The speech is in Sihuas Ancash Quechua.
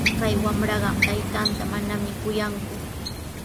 Kay wamraqa taytanta manami kuyanku.